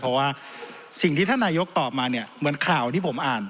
เพราะว่าสิ่งที่ท่านนายกตอบมาเนี่ยเหมือนข่าวที่ผมอ่าน